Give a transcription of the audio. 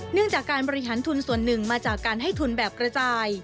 เนื่องจากการบริหารทุนส่วนหนึ่งมาจากการให้ทุนแบบกระจาย